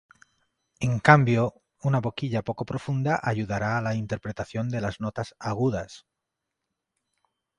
En cambio, una boquilla poco profunda ayudará a la interpretación de las notas agudas.